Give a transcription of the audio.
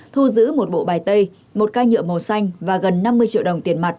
thu giữ một bộ bài tay một ca nhựa màu xanh và gần năm mươi triệu đồng tiền mặt